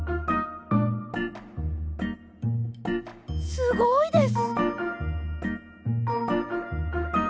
すごいです。